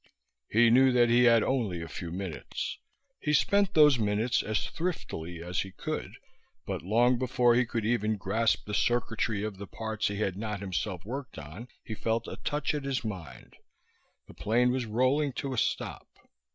He knew that he had only a few minutes. He spent those minutes as thriftily as he could, but long before he could even grasp the circuitry of the parts he had not himself worked on he felt a touch at his mind. The plane was rolling to a stop.